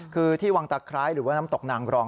คือที่วังตะไคร้หรือว่าน้ำตกนางรอง